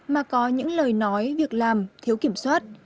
mà có những lời nói việc làm thiếu kiểm soát